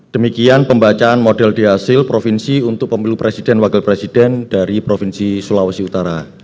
demikian pembacaan model dihasil provinsi untuk pemilu presiden wakil presiden dari provinsi sulawesi utara